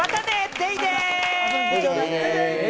デイデイ！